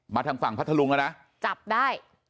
ทางฝั่งพัทธรุงแล้วนะจับได้